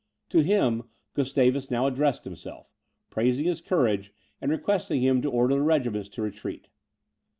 To him Gustavus now addressed himself, praising his courage, and requesting him to order the regiments to retreat.